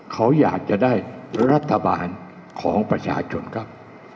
เขาอยากจะได้รัฐบาลของประชาชนครับ